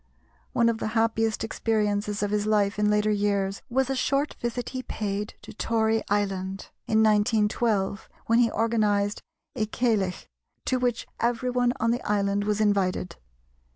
One of the happiest experiences of his life in later years was a short visit he paid to Tory Island in 1912, when he organised a Ceilidh, to which everyone on the island was invited.